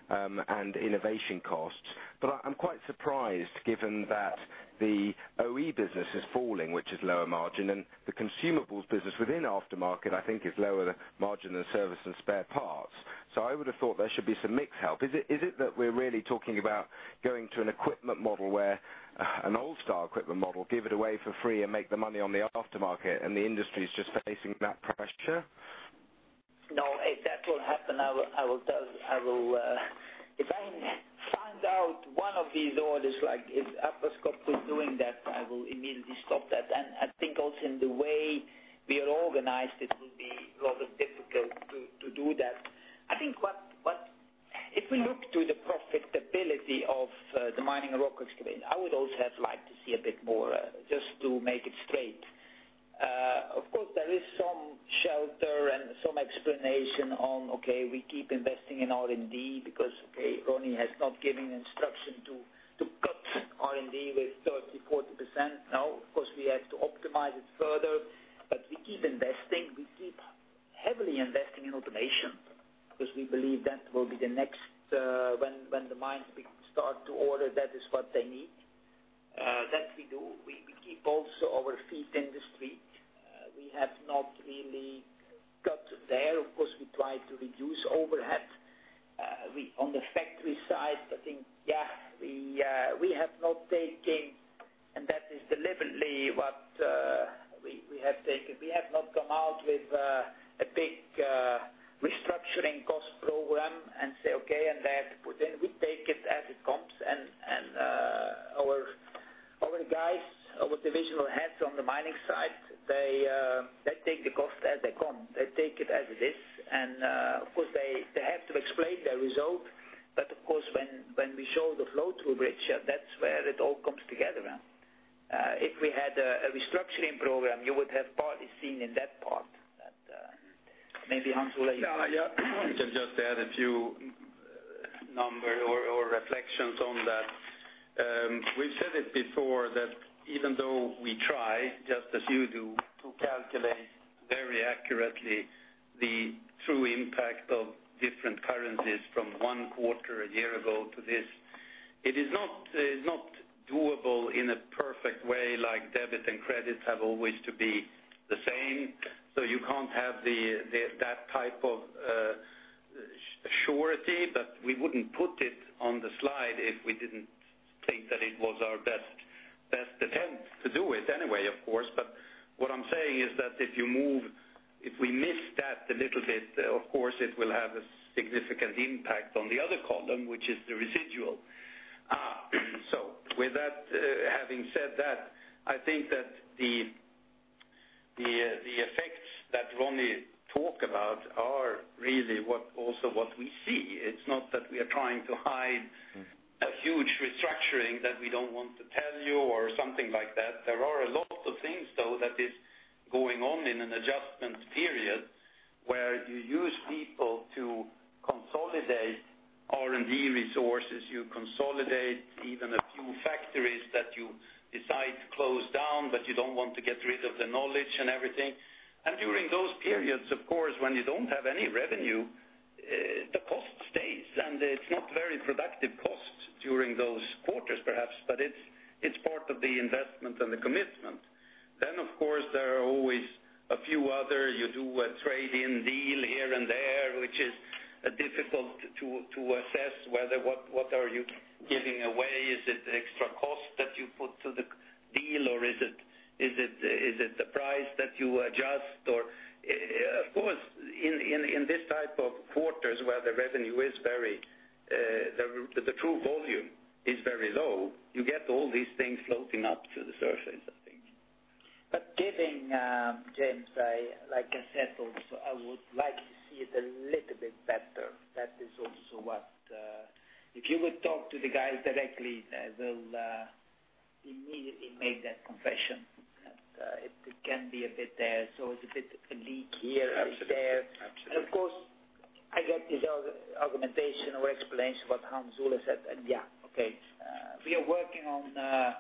and innovation costs. I am quite surprised given that the OE business is falling, which is lower margin, and the consumables business within aftermarket, I think is lower margin than service and spare parts. I would have thought there should be some mix help. Is it that we are really talking about going to an equipment model where an old style equipment model, give it away for free and make the money on the aftermarket, and the industry is just facing that pressure? If that will happen, if I find out one of these orders, like if Atlas Copco is doing that, I will immediately stop that. I think also in the way we are organized, it will be rather difficult to do that. I think if we look to the profitability of the mining and rock excavation, I would also have liked to see a bit more, just to make it straight. Of course, there is some shelter and some explanation on, okay, we keep investing in R&D because, okay, Ronnie has not given instruction to cut R&D with 30%-40%. Of course, we have to optimize it further, but we keep investing. We keep heavily investing in automation, because we believe that will be the next, when the mines start to order, that is what they need. That we do. We keep also our feet in the street. We have not really cut there. Of course, we try to reduce overhead. On the factory side, I think, we have not taken, and that is deliberately what we have taken. We have not come out with a big restructuring cost program and say, okay, and then we take it as it comes, and our guys, our divisional heads on the mining side, they take the cost as they come. They take it as it is. Of course, they have to explain their result, but of course, when we show the flow-through bridge, that's where it all comes together. If we had a restructuring program, you would have partly seen in that part that. Maybe Hans, later. Yeah. I can just add a few numbers or reflections on that. We've said it before that even though we try, just as you do, to calculate very accurately the true impact of different currencies from one quarter a year ago to this, it is not doable in a perfect way, like debit and credit have always to be the same. You can't have that type of surety, but we wouldn't put it on the slide if we didn't think that it was our best attempt to do it anyway, of course. What I'm saying is that if we miss that a little bit, of course it will have a significant impact on the other column, which is the residual. With that, having said that, I think that the effects that Ronnie talk about are really what also what we see. It's not that we are trying to hide a huge restructuring that we don't want to tell you or something like that. There are a lot of things, though, that is going on in an adjustment period, where you use people to consolidate R&D resources. You consolidate even a few factories that you decide to close down, but you don't want to get rid of the knowledge and everything. During those periods, of course, when you don't have any revenue, the cost stays, and it's not very productive costs during those quarters, perhaps, but it's part of the investment and the commitment. Of course, there are always a few other, you do a trade-in deal here and there, which is difficult to assess whether what are you giving away? Is it extra cost that you put to the deal, or is it the price that you adjust? Of course, in this type of quarters where the revenue is very, the true volume is very low, you get all these things floating up to the surface, I think. Given, James, like I said, also I would like to see it a little bit better. That is also what. If you would talk to the guys directly, they'll immediately make that confession, that it can be a bit there. It's a bit of a leak here and there. Absolutely. Of course, I get this augmentation or explanation what Hans Ola said, and yeah. Okay. We are working on a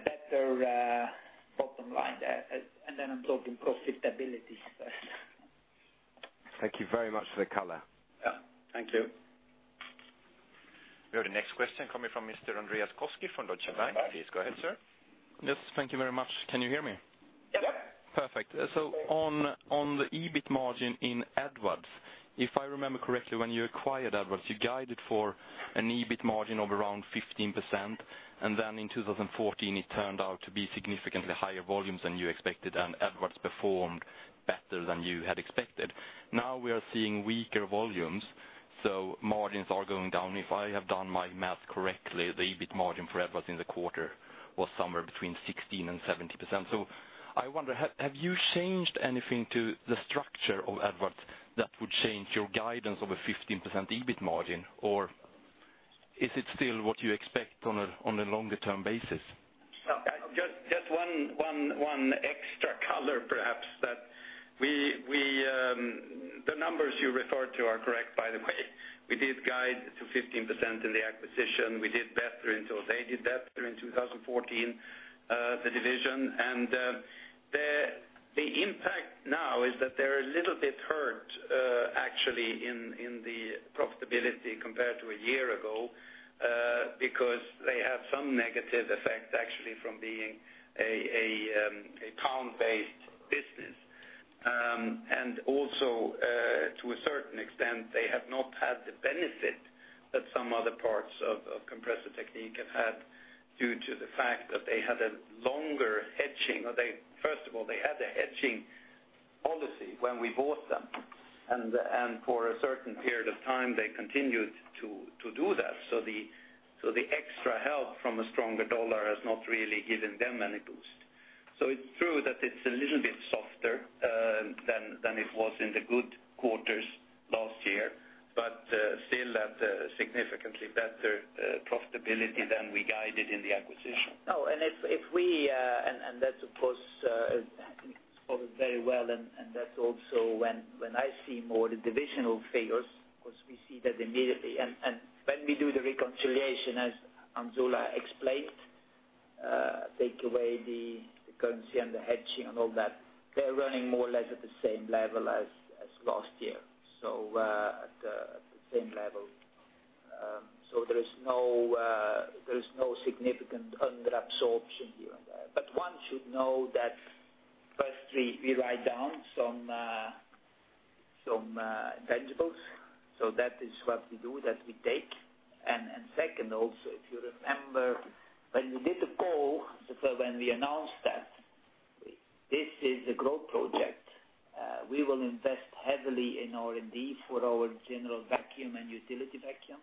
better bottom line there. Then I'm talking profitability. Thank you very much for the color. Yeah. Thank you. We have the next question coming from Mr. Andreas Koski from DekaBank. Please go ahead, sir. Yes, thank you very much. Can you hear me? Yeah. Perfect. On the EBIT margin in Edwards, if I remember correctly, when you acquired Edwards, you guided for an EBIT margin of around 15%, and then in 2014, it turned out to be significantly higher volumes than you expected, and Edwards performed better than you had expected. Now we are seeing weaker volumes, so margins are going down. If I have done my math correctly, the EBIT margin for Edwards in the quarter was somewhere between 16% and 17%. I wonder, have you changed anything to the structure of Edwards that would change your guidance of a 15% EBIT margin, or is it still what you expect on a longer term basis? Just one extra color, perhaps, that the numbers you referred to are correct, by the way. We did guide to 15% in the acquisition. We did better. They did better in 2014, the division. The impact now is that they're a little bit hurt, actually, in the profitability compared to a year ago, because they have some negative effect, actually, from being a pound-based business. Also, to a certain extent, they have not had the benefit that some other parts of Compressor Technique have had due to the fact that they had a longer hedging, or First of all, they had a hedging policy when we bought them, and for a certain period of time, they continued to do that. The extra help from a stronger dollar has not really given them any boost. It's true that it's a little bit softer than it was in the good quarters last year, but still at a significantly better profitability than we guided in the acquisition. That supports very well, that's also when I see more the divisional figures, because we see that immediately. When we do the reconciliation, as Hans-Ola explained, take away the currency and the hedging and all that, they are running more or less at the same level as last year. At the same level. There is no significant under-absorption here and there. One should know that firstly, we write down some intangibles. That is what we do, that we take. Second, also, if you remember, when we did the call, when we announced that this is a growth project, we will invest heavily in R&D for our general vacuum and utility vacuum.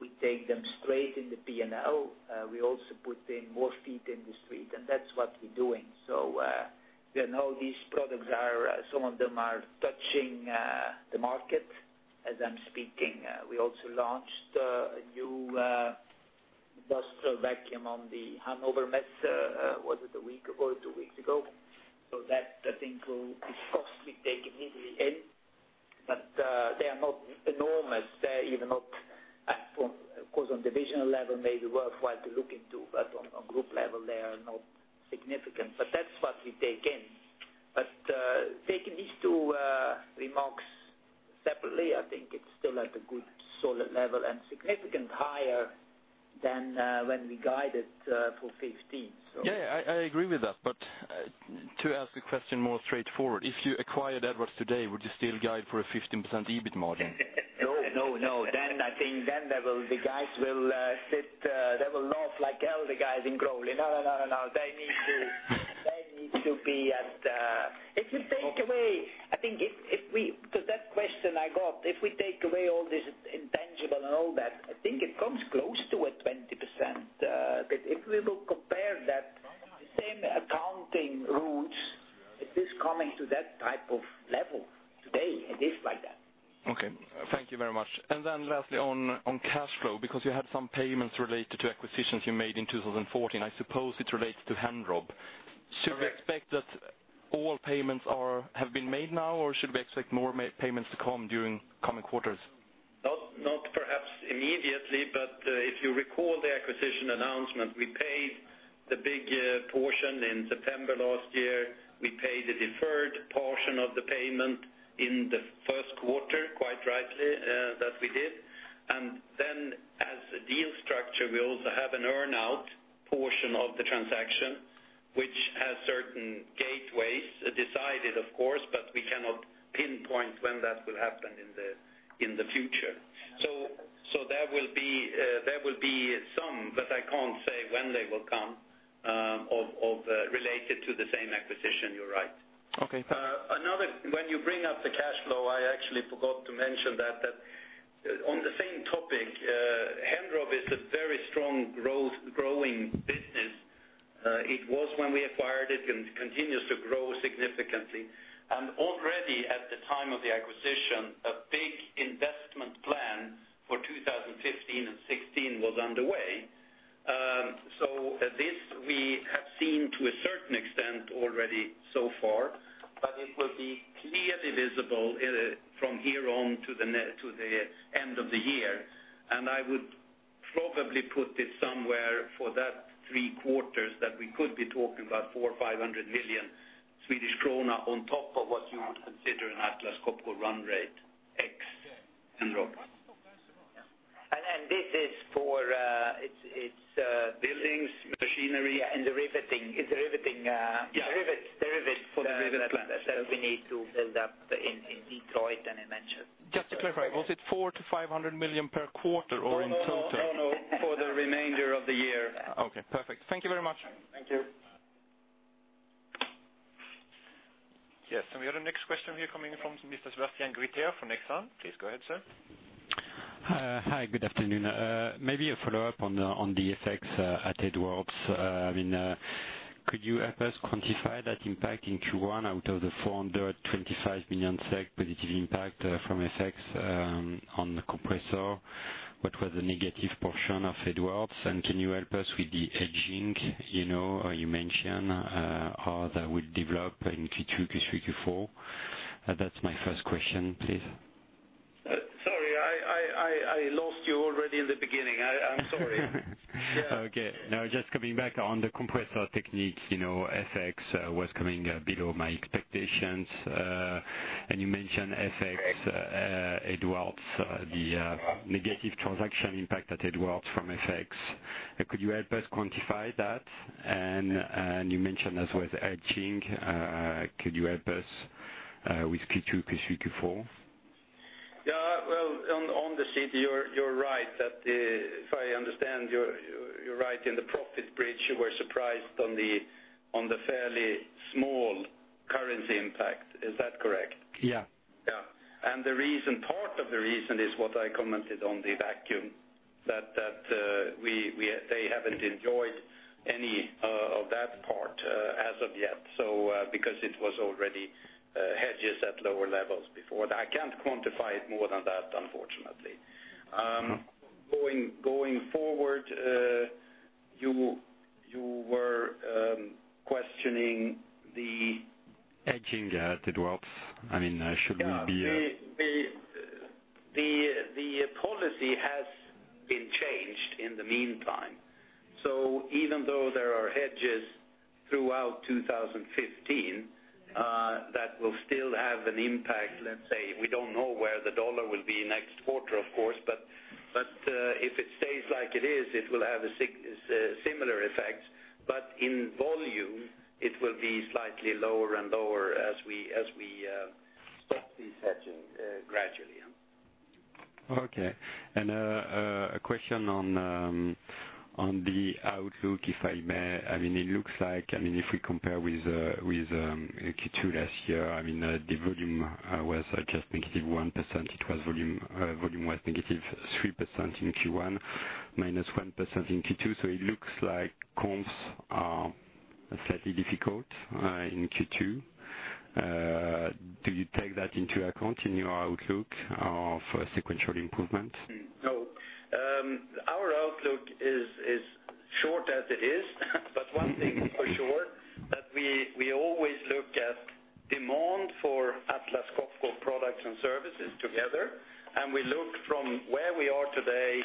We take them straight in the P&L. We also put in more feet in the street, and that is what we are doing. You know these products, some of them are touching the market as I am speaking. We also launched a new industrial vacuum on the Hannover Messe, was it a week ago or 2 weeks ago? That, I think, will be costly take immediately in. They are not enormous. Of course, on divisional level, may be worthwhile to look into, but on a group level, they are not significant. That is what we take in. Taking these 2 remarks separately, I think it is still at a good solid level and significant higher than when we guided for 2015. I agree with that. To ask the question more straightforward, if you acquired Edwards today, would you still guide for a 15% EBIT margin? No. No. I think the guys will laugh like hell, the guys in Crawley. No, they need to be. If we take away, I think, that question I got, if we take away all this intangible and all that, I think it comes close to a 20%. If we will compare. Oh, yeah. The same accounting rules. It is coming to that type of level today. It is like that. Okay. Thank you very much. Lastly, on cash flow, because you had some payments related to acquisitions you made in 2014, I suppose it relates to Henrob. Correct. Should we expect that all payments have been made now, or should we expect more payments to come during coming quarters? Not perhaps immediately, but if you recall the acquisition announcement, we paid the big portion in September last year. We paid the deferred portion of the payment in the first quarter, quite rightly that we did. As a deal structure, we also have an earn-out portion of the transaction, which has certain gateways decided, of course, but we cannot pinpoint when that will happen in the future. There will be some, but I can't say when they will come, related to the same acquisition, you're right. Okay. When you bring up the cash flow, I actually forgot to mention that, on the same topic, Henrob is a very strong growing business. It was when we acquired it, and continues to grow significantly. Already at the time of the acquisition, a big investment plan for 2015 and 2016 was underway. This we have seen to a certain extent already so far, but it will be clearly visible from here on to the end of the year. I would probably put it somewhere for that three quarters that we could be talking about 400 million-500 million Swedish krona on top of what you would consider an Atlas Copco run rate, ex Henrob. This is for, it's- Buildings, machinery. Yeah, the riveting. Yeah. The rivet- For the rivet plant that we need to build up in Detroit and in Memphis. Just to clarify, was it 400 million-500 million per quarter or in total? No, for the remainder of the year. Okay, perfect. Thank you very much. Thank you. Yes. We have the next question here coming from Mr. Sebastian Kuenne from Exane. Please go ahead, sir. Hi, good afternoon. Maybe a follow-up on the FX at Edwards. Could you help us quantify that impact in Q1 out of the 425 million SEK positive impact from FX on the compressor? What was the negative portion of Edwards, and can you help us with the hedging, you mentioned, how that will develop in Q2, Q3, Q4? That's my first question, please. Sorry, I lost you already in the beginning. I'm sorry. Okay. Just coming back on the Compressor Technique, FX was coming below my expectations. You mentioned FX, Edwards, the negative transaction impact at Edwards from FX. Could you help us quantify that? You mentioned as well the hedging, could you help us with Q2, Q3, Q4? Well, on the sheet, you're right that, if I understand, you're right in the profit bridge, you were surprised on the fairly small currency impact. Is that correct? Yeah. Part of the reason is what I commented on the vacuum, that they haven't enjoyed any of that part as of yet, because it was already hedges at lower levels before. I can't quantify it more than that, unfortunately. Going forward, you were questioning. Hedging the drops. Should we be, The policy has been changed in the meantime. Even though there are hedges throughout 2015, that will still have an impact, let's say, we don't know where the dollar will be next quarter, of course, but if it stays like it is, it will have a similar effect, but in volume, it will be slightly lower and lower as we stop this hedging gradually. Okay. A question on the outlook, if I may. It looks like, if we compare with Q2 last year, the volume was just negative 1%, volume was negative 3% in Q1, minus 1% in Q2. It looks like comps are slightly difficult, in Q2. Do you take that into account in your outlook of sequential improvement? No. Our outlook is short as it is, one thing for sure, that we always look at demand for Atlas Copco products and services together, we look from where we are today,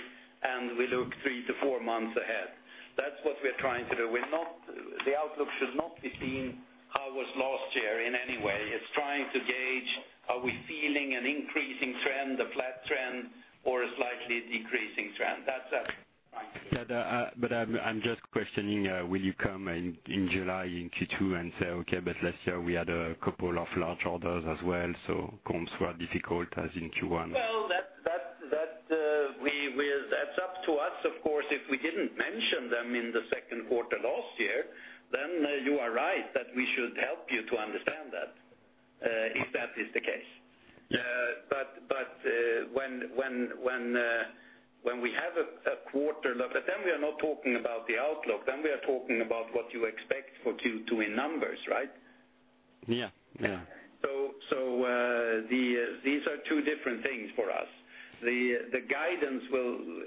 we look three to four months ahead. That's what we're trying to do. The outlook should not be seen how was last year in any way. It's trying to gauge, are we feeling an increasing trend, a flat trend, or a slightly decreasing trend? That's what we're trying to do. I'm just questioning, will you come in July in Q2 and say, "Okay, but last year we had a couple of large orders as well, so comps were difficult as in Q1? That's up to us, of course, if we didn't mention them in the second quarter last year, then you are right that we should help you to understand that, if that is the case. When we have a quarter look, then we are not talking about the outlook, then we are talking about what you expect for Q2 in numbers, right? Yeah. These are two different things for us. The guidance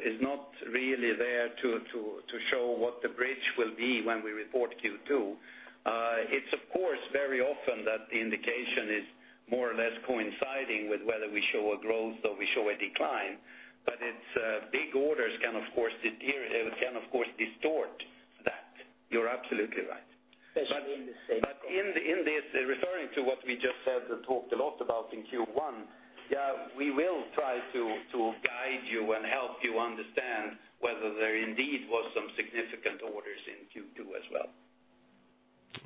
is not really there to show what the bridge will be when we report Q2. It's of course very often that the indication is more or less coinciding with whether we show a growth or we show a decline, but big orders can of course distort that. You're absolutely right. Especially in the same quarter. In this, referring to what we just said and talked a lot about in Q1, we will try to guide you and help you understand whether there indeed was some significant orders in Q2 as well.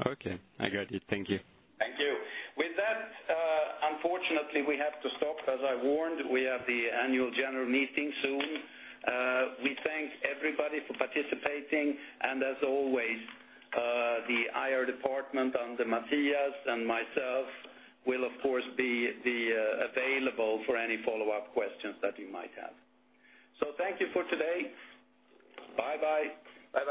Okay, I got it. Thank you. Thank you. With that, unfortunately, we have to stop. As I warned, we have the annual general meeting soon. We thank everybody for participating, and as always, the IR department and Mattias and myself will of course be available for any follow-up questions that you might have. Thank you for today. Bye-bye. Bye-bye.